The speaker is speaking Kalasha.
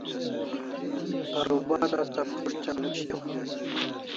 Karubar tasa prus't chalu shiau